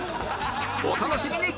お楽しみに！